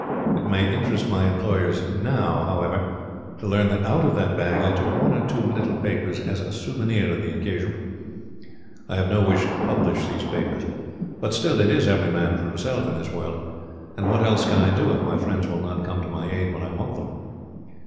It may interest my employers now, however, to learn that out of that bag I took one or two little papers as a souvenir of the occasion. I have no wish to publish these papers; but, still, it is every man for himself in this world, and what else can I do if my friends will not come to my aid when I want them?